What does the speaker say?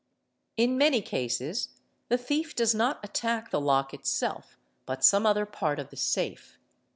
|| In many cases the thief does not attack the lock itself but some other _ part of the safe.